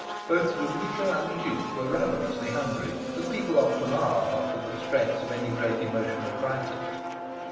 Both Zuleika and the Duke were ravenously hungry, as people always are after the stress of any great emotional crisis.